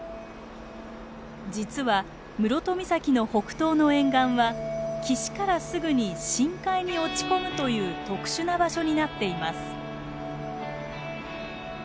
実は室戸岬の北東の沿岸は岸からすぐに深海に落ち込むという特殊な場所になっています。